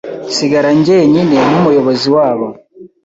nsigara njyenyine nk’umuyobozi wabo,